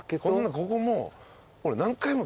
ここもう。